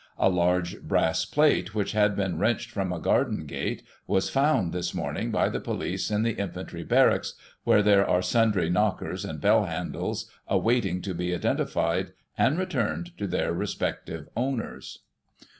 A large brass plate, which had been wrenched from a garden gate, was found, this morning, by the police, in the infantry barracks, where there are sundry knockers and bell handles awaiting to be identified and re turned to their respective owners."